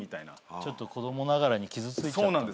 ちょっと子供ながらに傷ついちゃったのもあるのかな。